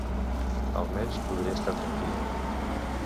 Almenys podré estar tranquil.